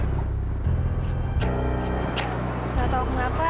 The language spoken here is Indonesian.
gak tau kenapa